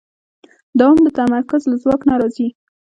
دوام د تمرکز له ځواک نه راځي.